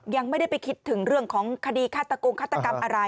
ยังไม่ได้ไปคิดถึงเรื่องของคดีฆาตกงฆาตกรรมอะไร